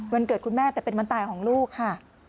เกิดคุณแม่แต่เป็นวันตายของลูกค่ะ